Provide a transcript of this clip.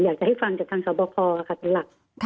อยากจะให้ฟังจากทางสอบคอค่ะเป็นหลัก